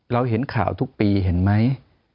เห็นข่าวทุกปีเห็นไหม